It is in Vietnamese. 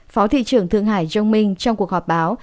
phó thị trưởng thượng hải zhong ming trong cuộc họp báo